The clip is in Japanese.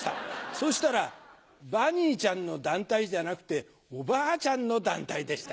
そしたらバニーちゃんの団体じゃなくておばあちゃんの団体でした。